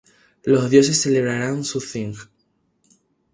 Los dioses celebrarán su Thing.